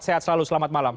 sehat selalu selamat malam